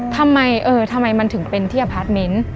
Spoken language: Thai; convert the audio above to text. ทำไมเออทำไมมันถึงเป็นที่อพาร์ทเมนต์